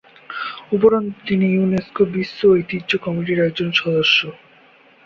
উপরন্তু, তিনি ইউনেস্কো বিশ্ব ঐতিহ্য কমিটির একজন সদস্য।